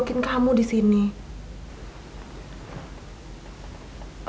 bahkan sekarang aku bilang